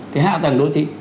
cái hạ tầng đô thị